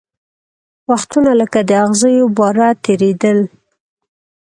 وختونه لکه د اغزیو باره تېرېدل